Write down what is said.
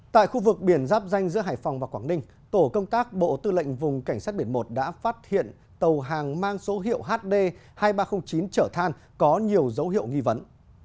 tại khu vực biển giáp danh giữa hải phòng và quảng ninh tổ công tác bộ tư lệnh vùng cảnh sát biển một đã phát hiện tàu hàng mang số hiệu hd hai nghìn ba trăm linh chín trở than có nhiều dấu hiệu nghi vấn